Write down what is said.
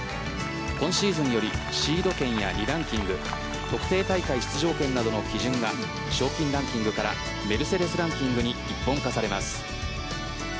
今シーズンよりシード権やリランキング特定大会出場権などの基準が賞金ランキングからメルセデス・ランキングに一本化されます。